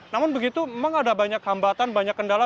namun begitu memang ada banyak hambatan banyak kendala